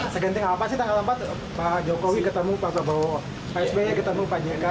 segenting apa sih tanggal empat pak jokowi ketemu pak prabowo pak sby ketemu pak jk